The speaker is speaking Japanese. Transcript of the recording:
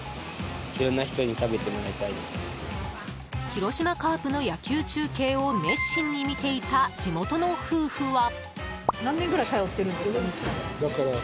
広島カープの野球中継を熱心に見ていた地元の夫婦は。